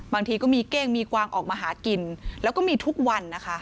บางทีก็มีเก้งมีกวางออกมาหากินแล้วก็มีทุกวันนะคะ